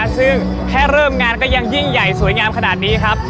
ซึ่งแค่เริ่มงานก็ยังยิ่งใหญ่สวยงามขนาดนี้ครับ